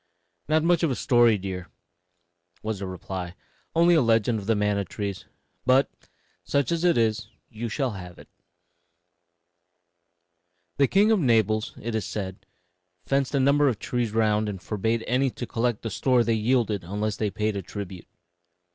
"Not much of a story, dear," was the reply "only a little legend of the manna trees; but, such as it is, you shall have it: "The king of Naples, it is said, fenced a number of trees round and forbade any to collect the store they yielded unless they paid a tribute.